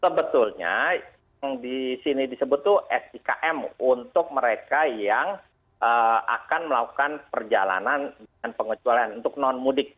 sebetulnya yang di sini disebut itu sikm untuk mereka yang akan melakukan perjalanan dengan pengecualian untuk non mudik